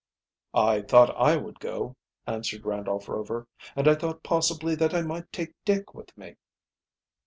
"I thought I would go," answered Randolph Rover, "and I thought, possibly, that I might take Dick with me."